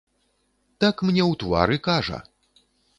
Так мне ў твар і кажа.